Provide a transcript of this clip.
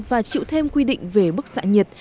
và chịu thêm quy định về bức xạ nhiệt